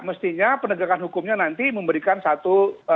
mestinya penegakan hukumnya nanti memberikan satu